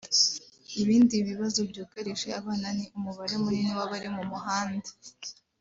Ibindi bibazo byugarije abana ni umubare munini w’abari mu muhanda